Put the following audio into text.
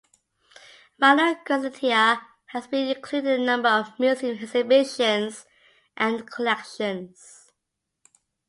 Rhinogradentia has been included in a number of museum exhibitions and collections.